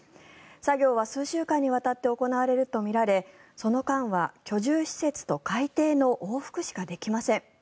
作業は数週間にわたって行われるとみられその間は居住施設と海底の往復しかできません。